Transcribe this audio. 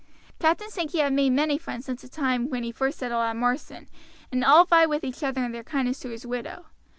Captain Sankey had made many friends since the time when he first settled at Marsden, and all vied with each other in their kindness to his widow.